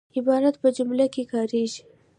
عبارت په جمله کښي کاریږي.